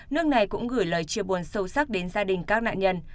nước này cũng gửi lời chia buồn sâu sắc đến gia đình các nạn nhân